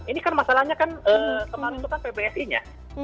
ini kan masalahnya kan kemarin itu kan pbsi nya